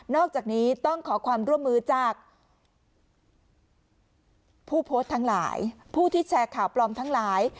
อกจากนี้ต้องขอความร่วมมือจากผู้โพสต์ทั้งหลายผู้ที่แชร์ข่าวปลอมทั้งหลาย